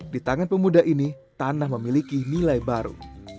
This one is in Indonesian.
di tangan pemuda ini tanah memiliki nilai baru